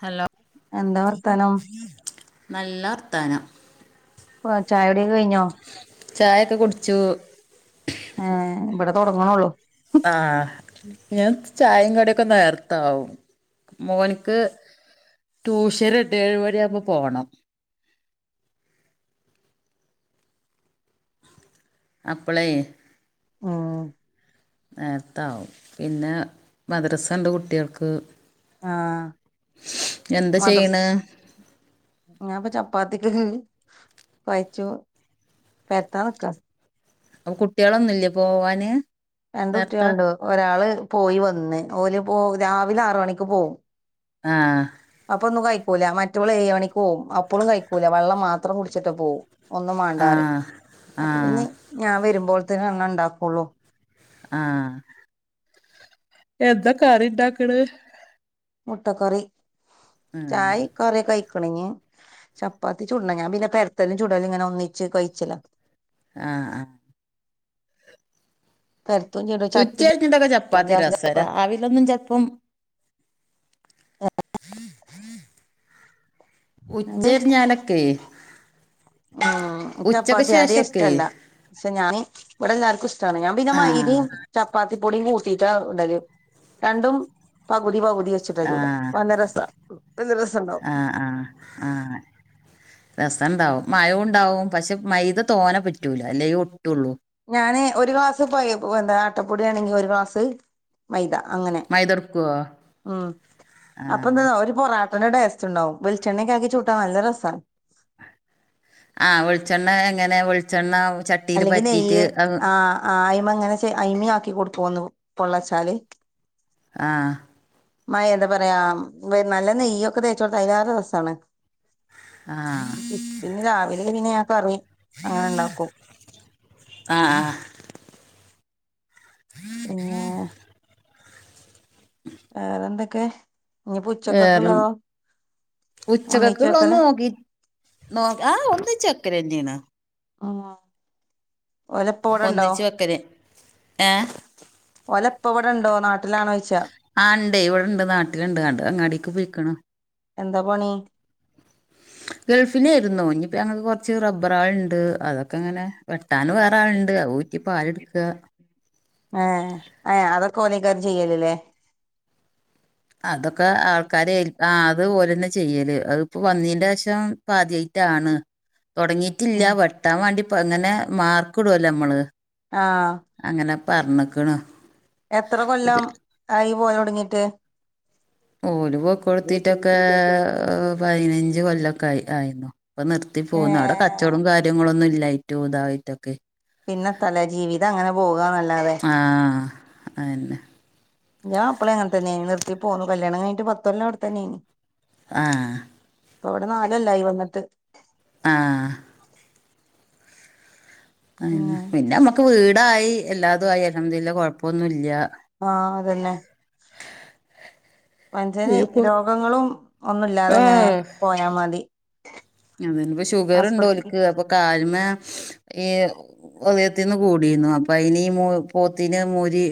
Hello എന്താ വർത്താനം നല്ല വർത്താനം ആഹ് ചായുടിക്കെ കയ്ഞ്ഞോ? ചായൊക്കെ കുട്ചൂ ഏഹ്. ബടെ തൊടങ്ങ്ണൊള്ളൂ ആഹ്. ഞാൻ ചായിം കടിയൊക്കെ നേർത്ത ആവും മോൻക്ക് ട്യൂഷൻ റഡിയാ. ഏഴ് മണി ആവുമ്പോ പോണം അപ്പളേയ് ഉം നേർത്താവും. പിന്നേ മദ്രസണ്ട് കുട്ട്യാൾക്ക് ആഹ് എന്താ മദർസ് ചെയ്യണ് ഞാപ്പൊ ചപ്പാത്തിക്ക് കൊയച്ചു പരത്താൻ നിക്കാ അപ്പൊ കുട്ട്യാളൊന്നുല്ലേ പോവാന് രണ്ട് നേരത്തെ കുട്ടികളുണ്ട് ഒരാള് പോയി വന്ന് ഓല് പോ രാവിലെ ആറ് മണിക്ക് പോവും ആഹ് അപ്പൊ ഒന്നും കയി ക്കൂ ല മറ്റവള് ഏയ് മണിക്ക് പോവും അപ്പോഴും കയിക്കൂല വെള്ളം മാത്രം കുടിച്ചിട്ട് പോവും ഒന്നും മേണ്ടാറയും ആഹ് അപ്പൊ ആഹ് പിന്നെ ഞാൻ വരുമ്പോഴത്തേന്നെ ഒന്ന് ഉണ്ടാക്കോ ളു ആഹ് എന്താ കറി ഉണ്ടാക്കണ് മുട്ട കറി ചായ ആഹ് കൊറേ കയി [unintelligible] ചപ്പാത്തി ചു ടണ ഞാൻ പിന്നെ പെരത്തലും ചൂടാലും ഇങ്ങനെ ഒന്നിച്ച് കൊഴച്ചില ആഹ് ആഹ് [unintelligible] ച്ചു ടും ഉച്ച കഴിഞ്ഞിട്ടൊക്കെ ചപ്പാത്തി രസാ രാവിലൊന്നും ചിലപ്പം [inaudible] ഉച്ച തിരിഞ്ഞാലൊക്കെ ഓഹ് ക്ക് ചപ്പത്തി അധിക ഇഷ്ട്ട ല്ല പക്ഷെ ഞാൻ ഇവിടെ എല്ലാർക്കും ഇഷ്ട്ടാ ണ് ഞാൻ പിന്നെ ആഹ് മൈദയും ചപ്പാത്തി പൊടിയും കൂട്ടീട്ടാ ള്ളത് രണ്ടും പകുതി പകുതി വെ ച്ചിട്ട ചൂട ആഹ് നല്ല രസാ ഇത് രസണ്ടോ ആഹ് ആഹ് രസോണ്ടാവും മയോം ഉണ്ടാവും പക്ഷെ മൈത തോനെ പറ്റൂല അല്ലേ ഒട്ടുള്ളൂ ഞാന് ഒരു ഗ്ലാസ് പോയ എന്താ ആട്ടപ്പൊടി ആണെങ്കിൽ ഒരു ഗ്ലാസ് മൈദ അങ്ങനെ മൈദ എടുക്കുവോ ഉം അപ്പൊന്താന്നോ ഒരു പൊറാ ട്ടന്റെ ടേസ്റ്റ് ഉണ്ടാവും വെളിച്ചേണ്ണക്ക ആക്കി ചുട്ടാ നല്ല രസാ ണ് ആഹ് വെളിച്ചെണ്ണ എങ്ങനെ വെളിച്ചെണ്ണ ച അല്ലെങ്കിൽ നെയ്യ് ആഹ് അയമേ ഇങ്ങനെ ചെയ് അയിമേ ആക്കി കൊടുക്കോന്ന് പൊള്ളച്ചാല് ആഹ് മഴ എന്താ പറയാ നല്ല നെയ്യ് ഒക്കെ തേച്ചോടുത്ത അതിനാറെ രസാണ് ആഹ് പിന്നെ രാവിലെ പിന്നെ ഞാൻ കറി അങ്ങനെ ഉണ്ടാക്കൂ ആഹ് ആഹ് പിന്നെ വേറെന്തൊക്കെ വേറെ ഉച്ചക്ക് ക്കൊ ഒന്നിച്ച് ള്ളെക്കെ ഒന്ന് വെക്കലാ നോക്കി നോ ആഹ് ഒന്നി ചക്കര തന്നെയാണ് ആഹ് ഓലെപ്പ ഇവിടുണ്ടോ ഒന്നിച്ച് വെക്കല് ഏഹ് ഓല് എപ്പോ ഇവിടെ ഉണ്ടോ നാട്ടിലാണോച്ച് ആഹ് ഉണ്ട് ഇവിടെ ഇണ്ട് നാട്ടിലുണ്ട് അങ്ങട് അങ്ങാടിക്ക് പോയിക്കണ് എന്താ പണി ഗൾഫിലയിരുന്നു ഇനിപ്പ ഞങ്ങക്ക് കൊറച്ച് റബ്ബറളുണ്ട് അതൊക്കെ ഇങ്ങനെ വെ വെട്ടാൻ വേറെ ആളുണ്ട് അത് ഊറ്റി പാലെടുക്കുക ആഹ് അതൊക്കെ ഓലിക്കാര് ചെയ്യോ ലല്ലേ അതൊക്കെ ആൾക്കാര് ആഹ് അത് ഓല് തന്നെ ചെയ്യല് അത് ഇപ്പ വന്നീന്റെ ശേഷം ഇപ്പൊ ആദ്യായിട്ടാണ് തുടങ്ങി ട്ടില്ല ഉം വെട്ടാൻ വേണ്ടിപ്പ ഇങ്ങനെ മാർക്ക് ഇടുല്ലോ നമ്മള് ആഹ് അങ്ങനെ പറണിക്ക് ണ് എത്ര കൊല്ലം ആയി പോയി തുടങ്ങിട്ട് ഓലു ഇപ്പൊ കൊടുത്തിട്ടൊക്കെ പയിനഞ്ച് കൊല്ലൊക്കെ ആയി ആയിന്നു ഇപ്പൊ നിർത്തി ഏ പോന്നു അവിടെ കച്ചവടം കാര്യങ്ങളോന്നും ഇല്ലായിട്ടും ഇതായിട്ടൊക്കെ പിന്നെ തലേ ജീവിതം അങ്ങനെ പോകന്നല്ലാതെ ആഹ് അത ന്നെ ഞാൻ അപ്പളെ അങ്ങന തന്നെയാന് നിർത്തി പോന്നു കല്യാണം കയിഞ്ഞിട്ട് പത്തൊല്ലാം അവിടെത്തന്നെയാന്ന് ആഹ് ഓല് നാല് കൊല്ലായി വന്നിട്ട് ആ അ പിന്നെ നമ്മക്ക് വീടായി എല്ലാതും ആയി അൽഹംദുലില്ല കുഴപ്പൊന്നുമില്ല ആഹ് അതന്നെ പഞ്ചന് ഇപ്പൊ രോഗങ്ങളും ഒന്നുല്ലാതിങ്ങനെ പോയാ മതി ആസ്പത്രി ഷുഗറുണ്ടോലക്ക് അപ്പൊ കാൽ മേ ഈ ഉദയത്തിന്ന് കൂടിന്നു അപ്പൊ അയിന് ഈ പോത്തിന് മൂരി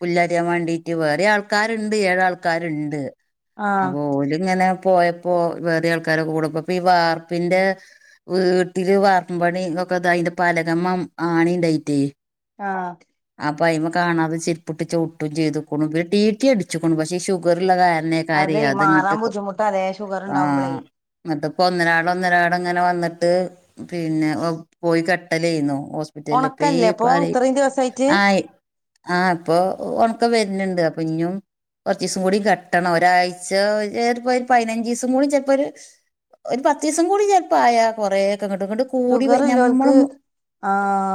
പുല്ലറിയാൻ വേണ്ടി വേറെ ആൾക്കാരുണ്ട് ഏഴ് ആൾക്കാരുണ്ട് ആഹ് അപോല് ഇങ്ങനെ പോയപ്പോ വേറ ആൾക്കാരൊ കൂട അപ്പൊ ഈ വാർപ്പിന്റെ വീട്ടില് വാർപ്പും പണിഒക്കെതായിട്ട് അതിന്റെ പലകമ്മം ആണി ഉണ്ടായിട്ടേ ആഹ് അപ്പയ്മ കാണാതെ ചെരിപ്പിട്ട ചവ്ട്ടും ചെയ്തു [unintelligible] പിന്ന ടീറ്റി അടിച്ചുക്ക്ണു പക്ഷേ ഷുഗർ ഉള്ള കാരണെ കരയ്യാ അതെയ് അതെങ്ങട്ട് മാറാൻ കൊ ബുദ്ധിമുട്ടാലേ ഷുഗർ ആ ഉണ്ടാവുമ്പളേ ന്നട്ട് ഒന്നരാട ളൊന്നരാടം അങ്ങന വന്നിട്ട് പിന്നെ പോയി കെട്ടലേന്നു ഓസ് [unintelligible] ഈ ഒണക്കല്ലേ ഇപ്പൊ പറീം ഇത്രയും ദിവസായിട്ട് ആയി ആഹ അപ്പൊ ഒണക്കം വരുന്നുണ്ട് അപ്പൊ ഇഞ്ഞും കുറച്ച് ദിവസം കൂടി കെട്ടണം ഒരാഴ്ച ചെലപ്പോ ഒരു പതിനഞ്ച് ദിവസം കൂട ചിലപ്പോ ഒരു ഒരു പത്തീസം കൂടി ചെലപ്പ ആയാ കൊറേക്കെ അങ്ങോട്ട് ഇങ്ങോട്ട് കൂടി ഞമ്മളൊന്ന് ആഹാ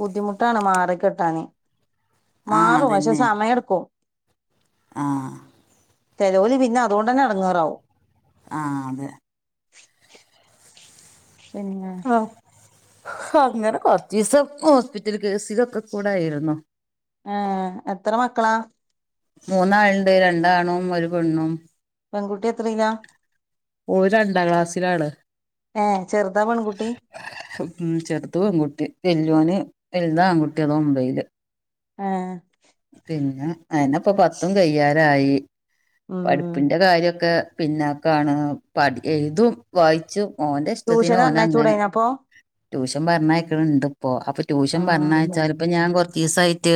ബുദ്ധിമുട്ടാണ് മാറിക്കിട്ടാന് ആ മാറും പക്ഷെ സമയെടുക്കും ആഹ് ചെലോല് പിന്നെ അതൊണ്ടന്നെ എടങ്ങാറാവും ആ അതെ പിന്നെ ആഹ അങ്ങനെ കൊറച്ച ദിവസം ഹോസ്പിറ്റൽ കേസിലൊക്കെ കൂടായിരുന്നു ഏ എത്ര മക്കളാ മൂന്നാള്ണ്ട് രണ്ടാണും ഒരു പെണ്ണും പെൺകുട്ടി എത്രയിലാ ഓരണ്ടാം ക്ലാസ്സിലാണ് ഏ ചെറുതാ പെൺകുട്ടി ചേർത് പെൺകുട്ടി വല്ല്യോന് വലുതാങ്കുട്ടി അതൊമ്പൈയില് ഹേ പിന്നെ അയിനപ്പം പത്തും കയ്യാരായി ഉം പഠിപ്പിന്റെ കാര്യൊക്കെ പിന്നാക്കാണ് പഠ് എഴ്തും വായിച്ചും ഓന്റെ ഇഷ്ടത്തിന് ട്യൂഷന് ഓന അങ്ങനെ പറഞ്ഞയച്ചൂടേനോ അപ്പൊ ട്യൂഷൻ പറഞ്ഞയക്കണ് ണ്ട് ഇപ്പോ അപ്പൊ ട്യൂഷൻ പറഞ്ഞെച്ചാലിപ്പ ഞാൻ കൊറച്ചീസായിട്ട്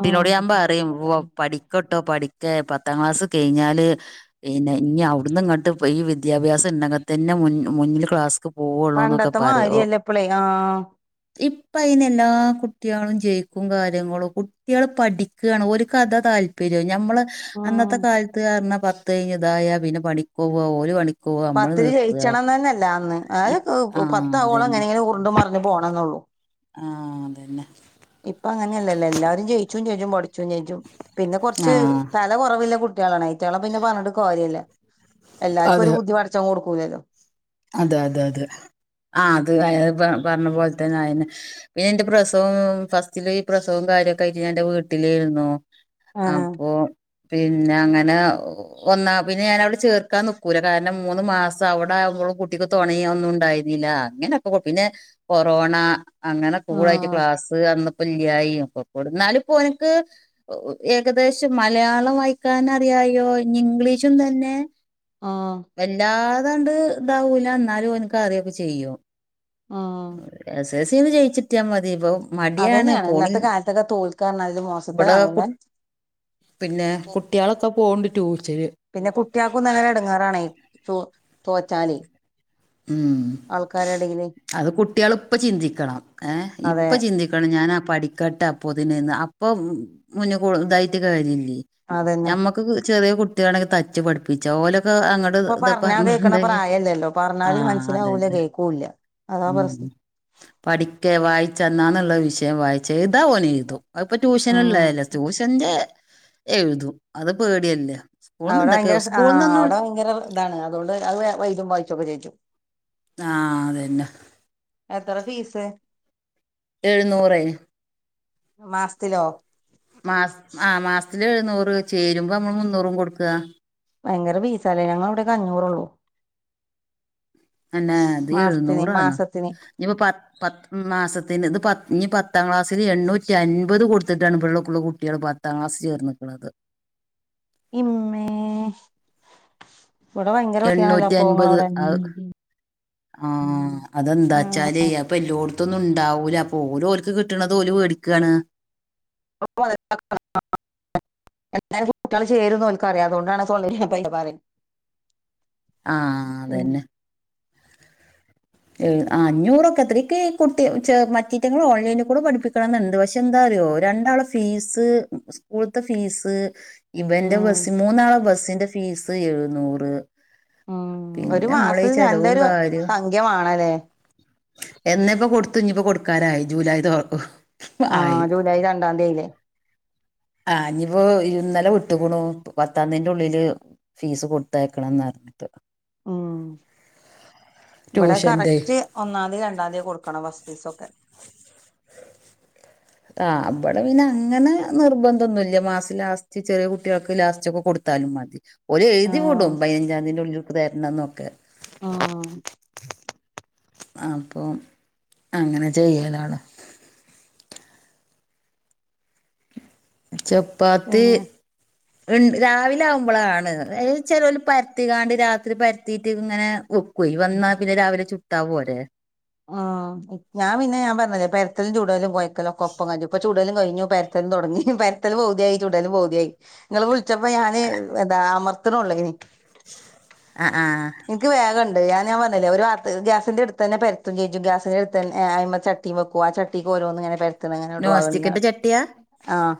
ഉം ഞാമ്പ റയും പോ പഠിക്ക് ട്ടോ പഠിക്ക പത്താം ക്ലാസ് കഴിഞ്ഞാല് പിന്നെ ഇനി അവിടന്ന് ഇങ്ങട്ട് ഈ വിദ്യാഭ്യാസം ഇണ്ടകത്തന്നെ മുന്നിൽ ക്ലാസ് പണ്ടത്ത മാരിയല്ലപ്പളെ ആ ഇപ്പ അയിന് എല്ലാ കുട്ടികളും ജയിക്കും കാര്യങ്ങളും കുട്ടികൾ പഠിക്കാണ് ഓരിക്കതതാല് ഞമ്മള് ഉം അന്നത്തെ കാലത്ത് പറഞ്ഞ പത്ത് കഴിഞ്ഞ ഇതായ പിന്നെ പണിക്ക പോകാ ഓല് പണിക് പത്തിൽ ജയിച്ചണംന്ന് തന്നെയല്ല അന്ന് അത് ഇ ആഹ് പത്താവോള എങ്ങനെ അതന്നെ ഇങ്ങനെ ഉറ്ണ്ട് മറിഞ്ഞ് പോണം ന്നള്ളൂ ആ അതന്നെ ഇപ്പൊ അങ്ങനെയല്ലല്ലോ എല്ലാരും ജയിച്ചും ചെജ്ജും പഠിച്ചും ചെജ്ജും പിന്നെ കൊറച്ച് ആഹ് തല കുറവില്ല കുട്ടികളാണ് ഏറ്റകളെ പിന്നെ പറഞ്ഞിട്ട കാര്യല്ല എല്ലാർക്കും അതെ ഒരു ബുദ്ധി പടച്ചവൻ കൊടുക്കൂലല്ലോ അതെ അതെ അതെ ആഹ അത് പറഞ്ഞ പോലെത്തന്നെ അയിന് പിന്നെ എന്റെ പ്രസവവും ഫസ്റ്റില് ഈ പ്രസവവും കാര്യൊക്കെ ആയിട്ട് ഞൻ എന്റെ വീട്ടിലായിരുന്നു ആ അപ്പൊ പിന്നെ അങ്ങനെ ഒന്നാ പിന്നെ ഞാനവിടെ ചേർക്കാൻ നിക്കൂല കാരണം മൂന്ന് മാസം അവ്ടെ ആമ്പളും കുട്ടിക്ക് തൊണയ ഒന്നും ഉണ്ടായിരുന്നില്ല അങ്ങനെപ്പൊ പിന്നെ കൊറോണ അങ്ങനെ ആ കൂളായിട്ട് ക്ലാസ് അന്നപ്പോ ഇല്ല്യായി എന്നാലിപ്പോ ഓന്ക്ക് ഏകദേശം മലയാളം വായിക്കാൻ അറിയായോ ഞി ഇംഗ്ലീഷും തന്നെ. ആഹ്. വല്ലാതാണ്ട് താവൂല എന്നാലും ഓനക്ക് അറിയൊക്കെ ചെയ്യും ആഹ് എസ് എൽ സിന്ന് ജയിച്ചിട്ടിയാ മതി ഇപ്പം. അത് തന്നെയാണ് ഇന്നത്തെ കാലത്തൊക്കെ തോൽക്കാന്പറഞ്ഞാൽ ഇവിടെ മോശത്തരാണ് കു ലെ പിന്നെ കുട്ടൃളൊക്കെ പോവ്ണ്ട് ടൂഷന്. ഒന്നന്നര എട്ങ്ങേറാണേ തോ തോറ്റാല്. ഉം അത് കുട്ടികള് ഇപ്പ ചിന്തിക്കണം ഏ ഇപ്പ അതെ ചിന്തി അപ്പളാണ് ഞാനാ പഠിക്കട്ടെ അപ്പൊതിന്ന് അപ്പൊ മുന്നേ തായിട്ട് കാര്യല്ലേ അതന്നെ ഞമ്മക്ക് ചെറിയ കുട്ടികളാണെങ്കില് തച്ചു പഠിപ്പിക്കാം പിച്ചോലൊക്കെ അങ്ങട്ട് ന്ത പറ്ഞ്ഞിട്ടുണ്ടെങ്കിൽ. പറ്ഞ്ഞാല് മനസ്സിലാവൂല്ല കേൾക്കൂല്ല. അതാ ഉം പ്രശ്നം പഠിക്കേ വായിച്ചന്നാന്ന്ള്ള വിഷയം വായിച്ച് എയ്യ്താഓന്. അത്പം ഉം ട്യൂഷന്ള്ളല്ലേ ട്യൂഷന്റെ എഴുതും അത് പേടിയല്ലേ. സ്കൂൾന്ന് അവിടെ എന്തൊക്കെ ഭയങ്കര ആഹ് സ്കൂൾന്നൊന്നും അവിടെ ഭയങ്കര ഇതാണ് അതുകൊണ്ട് അത് എഴുതു വായിച്ചൊക്കെ ചെജ്ജും ആഹ് അതന്നെ. എത്രെ ഫീസ്? എഴുന്നൂറ് മാസ്ത്തിലോ? മാസ് ആഹ് മാസ്ത്തില് എഴുന്നൂറ് ചേരുമ്പം നമ്മൾ മുന്നൂറും കൊടുക്കാ. ഭയങ്കര പീസാലേ ഞങ്ങളവിടെക്കെ അഞ്ഞുറൊള്ളു. അന്നെ അത് മാസത്തിന് എഴുന്നൂറാണ് മാസത്തിന് ഇഞിപ്പ പ പത്ത് മാസത്തിന് ഇത് പത്ത് ഞി പത്താം ക്ലാസ്സില് എണ്ണൂറ്റിഅൻപത് കൊടുത്ത്ട്ടാണ് ഇപ്പള്ള ള കുട്ടികള് പറ് പത്താം ക്ലാസ് ചേർന്ന്ക്ക്ണത്. ഇമ്മേ. ഇവിടെ ഭയങ്കര പൈസയാണല്ലോ എണ്ണൂറ്റി അപ്പൊ അൻപത് ആഹ്. ഇങ്ങളവിടെ ആഹ അതെന്താച്ചാല് അപ്പ എല്ലോ അതൊന്നുണ്ടാവൂല അപ്പോ ഓല് ഓല്ക്ക് കിട്ട്ണത് ഓല് വേടിക്കാണ്. പ [unintelligible] എല്ലാരെ കുട്ടിള് ചേരുന്നോല്ക്കറിയാം അതോണ്ടാണ് സെളേല് പൈസ പറയ്ണ്. ആഹ് ഉം അതന്നെ. ഏഹ് അഞ്ഞൂറൊക്കെ അത്രേക്ക് കുട്ടിക്ക ചേർന്ന് മറ്റേറ്റങ്ങൾ ഓൺലൈനി കൂടെ പഠിപ്പിക്കും ചേർത്തണം ന്ന് ണ്ട്. പക്ഷെ എന്താ അറിയോ രണ്ടാള് ഫീസ് സ്കൂളത്തെ ഫീസ് ഇവന്റെ ബസ്സ്‌ മൂന്നാളെ ബസ്സിന്റെ ഫീസ് എഴുുന്നൂറ്. മ് ഒരു മാസം ചെലവും നല്ലൊരു കാര്യവും സംഖ്യമാണല്ലേ. എന്നേപ്പ കൊട്ത്തു ഇഞിപ്പം കൊട്ക്കാനായി ജൂലൈ തോ ആയി ആഹ് ജൂലൈ രണ്ടാന്തീയിലെ. ആഹ് ഇഞിപ്പോ ഇന്നലെ വിട്ടുക്ണു പത്താംന്തിന്റെ ഉള്ളില്. ഫീസ് കൊടുത്തയക്കണംന്നറ്ഞ്ഞിട്ട്. ഉം ഇബടെ ട്യൂഷൻ്റെ കറക്റ്റ്. ഒന്നാംതി രണ്ടാംതി കൊടുക്കണം ഫസ്റ്റ് ഫീസ് ഒക്കെ ആഹ് അപ്പോൾ പിന്നെ അങ്ങനെ നിർബന്ധന്നുല്ല മാസം ലാസ്റ്റ് ചെറിയ കുട്ടിൾക്ക് ലാസ്റ്റ് ഒക്കെ കൊട് ത്താലും മതി ഓര് എഴ്തി ആഹ് വിടും പതിനഞ്ചാന്തിന്റെ ഉള്ളിൽ തരണം ന്നൊക്കെ. ഉം അപ്പം അങ്ങനെ ചെയ്യലാണ്. ചപ്പാത്തി. പിന്നെ ഇണ്ട് രാവിലെ ആവുമ്പോളാണ് ചെലോല് പര്ത്തികാണ്ട് രാത്രി പരത്തീട്ട് ഇങ്ങനെ വെ പോയി വന്നാപിന്നെ രാവിലെ ചുട്ടാ പോരെ. ഉം ഞാ പിന്നെ ഞാൻ പറ്ഞ്ഞിലെ പര്ത്തലും ചുടലും കൊഴക്കലക്കെ ഒപ്പം കജ്ജും ഇപ്പ ചൂ ചുടലും കഴിഞ്ഞു പര്ത്തലും തൊടങ്ങി പര്ത്തലും പൗദിയായി ചുടലും പൗദിയായി. നിങ്ങള് വിളിച്ചപ്പോ ഞാന് എതാ അമർത്തണള്ളാനി അ ആഹ് ഇൻക് വേഗണ്ട് ഞാന് ഞാ പറഞ്ഞിലെ ഒരുവാത്ത് ഗ്യാസിന്റെട്ത്തന്നെ പര്ത്തും ചെജ്ജും ഗ്യാസിന്റെട്ത്തന്നെ അയ്മ ച തീമെക്കുവാ ആ ചട്ടീക്കോരോന്ന്ങ്ങനെ പരത്ത്ണങ്ങനെടൂ നോൺ അഅന്ന സ്റ്റിക്കിന്റെ ആഹ്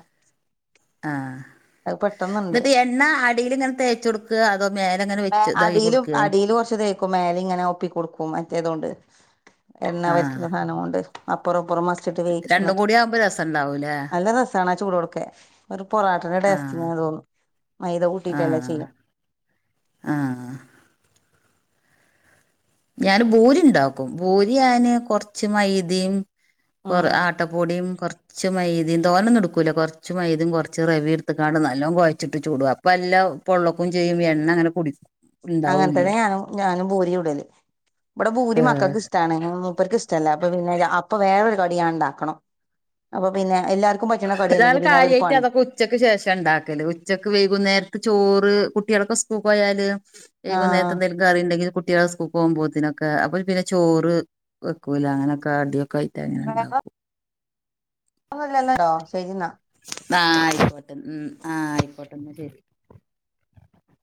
ആഹ് അത് പെട്ടെന്ന്ണ്ട് ഇന്നാ അടീലിങ്ങനെ തേച്ചൊട്ക്കാ മേലങ്ങനെ പ്പെ അടീലും അടീല് കൊർച്ച് തേ പ്പൊ മേല ഇങ്ങനെ ഒപ്പികൊടുക്കും മറ്റേതുകൊണ്ട് എണ്ണ ആ വറ്റുന്ന സാധനം കൊണ്ട് അപ്പറു ഇപ്പറു മസ്ചിട്ട് വേയിച്ചു രണ്ടും ന്നട്ട് കൂടി ആവുമ്പോ രസണ്ടാവൂലേ നല്ല രസാണ് ആ ചൂടോട്ക്കെ ഒരു പൊറാട്ടന്റെ ആഹ് ടെസ്റ്റിങ്ങിനു തോന്നും മൈദ കൂട്ടിട്ടല്ലെ ആഹ് ചെയ്യാ ആഹ് ഞാന് ബൂരി ഉണ്ടാക്കും ബൂരി ആന് കൊറച്ച് മൈദയും ഉം കൊറആ ട്ടപ്പൊടിയും കൊർ ച്ച്മൈദി തോനെന്നെടുക്കൂലാ കൊർച്ച് മൈദിം കൊർച്ച് റവേട്ത്ത്ക്കാണ്ട് നല്ലോ കൊയച്ചിട്ടു ചുടു പല്ലൗ പൊള്ളക്കും ചെയ്യും എണ്ണങ്ങനെ കുടി ഉണ്ടാവൂല്ല അങ്ങൻത്തന്നെ ആ ഞാനും ഞാനും ബൂരി ചുടല് ഇബടെ ബൂരി മക്കക്ക് ഇഷ് ഷ്ടാണ് ഉം മൂപ്പർക്ക് ഇഷ്ടല്ല അപ്പൊ പിന്നെ അപ്പൊ വേറൊരു കടി ഞാൻ ഇണ്ടാക്കണം അപ്പൊ പിന്നെ എല്ലാർ അതാണ് കാര്യായിട്ട് അതൊക്കെ ഉ ഉച്ചക്ക് ശേഷണ്ടാക്കല് ഉച്ചക്ക് വൈകുന്നേര്ക്ക് ചോറ് കുട്ട്യേളൊക്കെ സ്കൂക്കൊയാല് ആഹ് ഏകുനേര്ത്തെന്തേലും കറി ഉണ്ടെങ്കിൽ കുട്ടികളെ സ്കൂ കറിയുണ്ടെങ്കി കുട്ടികള് പോകുമ്പോത്തിനൊക്കെ അവരെ പിന്നെ ചോറ് വെക്കൂല്ല അങ്ങനൊക്കെ അടിയൊക്കെയായി ദെങ്ങനെണ്ടാക്കും വേറെന്നുല്ലല്ലോ ശരി എന്നാ ന്നാ ആയിക്കോട്ടെ ഉം ആയിക്കോട്ടെന്നാ ശരി